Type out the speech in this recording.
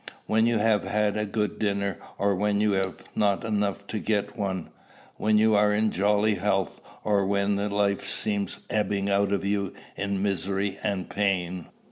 when you have had a good dinner, or when you have not enough to get one? when you are in jolly health, or when the life seems ebbing out of you in misery and pain?